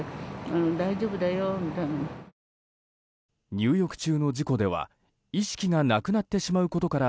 入浴中の事故では意識がなくなってしまうことから